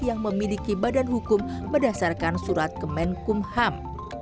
yang memiliki badan hukum berdasarkan surat kemenkumham